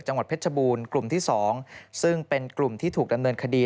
เพชรบูรณ์กลุ่มที่๒ซึ่งเป็นกลุ่มที่ถูกดำเนินคดี